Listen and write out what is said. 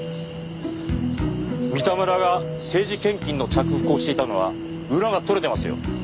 三田村が政治献金の着服をしていたのは裏が取れてますよ。